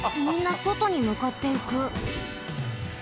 みんなそとにむかっていく。